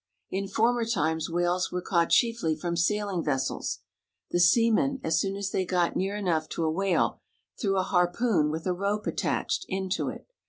In former times whales were caught chiefly from saihng vessels. The seamen, as soon as they got near enough to a whale, threw a harpoon, with a rope attached, into it.